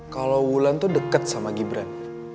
kalau wulan tuh deket sama gibran